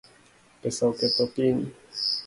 Pesa oketho piny